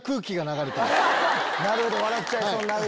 なるほど笑っちゃいそうになる。